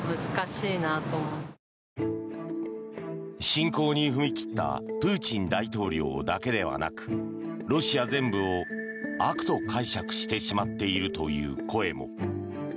侵攻に踏み切ったプーチン大統領だけではなくロシア全部を悪と解釈してしまっているという声も。